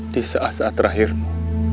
di saat saat terakhirmu